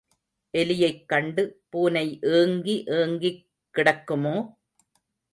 எலியைக் கண்டு பூனை ஏங்கி ஏங்கிக் கிடக்குமோ?